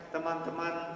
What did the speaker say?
teman teman dari seluruh